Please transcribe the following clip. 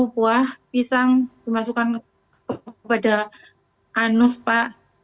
buah pisang dimasukkan kepada anus pak